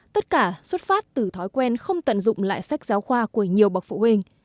tất cả xuất phát từ thói quen không tận dụng lại sách giáo khoa của nhiều bậc phụ huynh